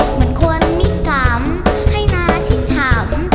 เหมือนคนมิกรรมให้หน้าทิ้งถ่ำ